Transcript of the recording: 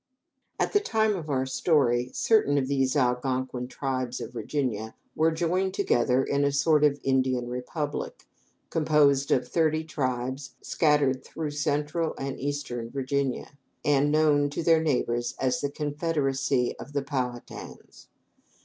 At the time of our story, certain of these Algonquin tribes of Virginia were joined together in a sort of Indian republic, composed of thirty tribes scattered through Central and Eastern Virginia, and known to their neighbors as the Confederacy of the Pow ha tans.